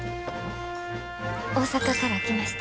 大阪から来ました。